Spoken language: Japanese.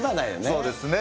そうですね。